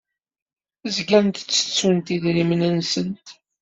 Zgant ttettunt idrimen-nsent.